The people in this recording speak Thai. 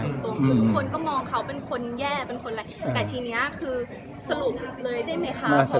ตรงคือทุกคนก็มองเขาเป็นคนแย่เป็นคนอะไรแต่ทีนี้คือสรุปเลยได้ไหมคะ